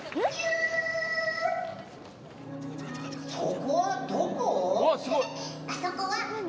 そこはどこ？